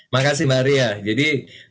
makasih mbak ria jadi